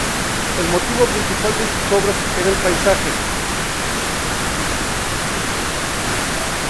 El motivo principal de sus obras era el paisaje.